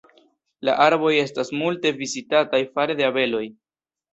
La arboj estas multe vizitataj fare de abeloj.